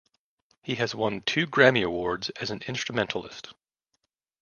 He has won two Grammy Awards as an instrumentalist.